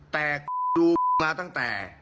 แต่ดูมาตั้งแต่